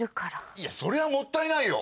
いやそれはもったいないよ！